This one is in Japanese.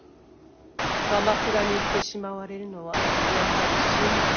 鎌倉に行ってしまわれるのはやはり心配。